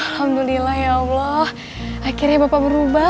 alhamdulillah ya allah akhirnya bapak berubah